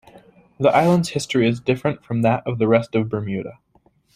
The island's history is different from that of the rest of Bermuda.